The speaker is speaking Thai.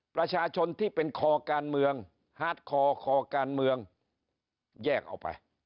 ประชาชนที่เป็นคอการเมืองฮาร์ดคอคอการเมืองแยกออกไป